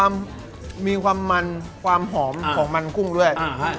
มีความมีความมันความหอมของมันกุ้งด้วย